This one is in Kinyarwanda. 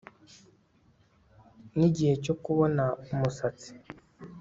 nigihe cyo kubona umusatsi